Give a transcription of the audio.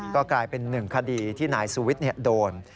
ก็กลายเป็นหนึ่งคดีที่นายสุวิทย์โดน